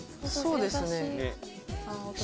そうですね